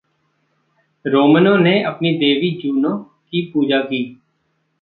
रोमनों ने अपनी देवी, जूनो, की पूजा की।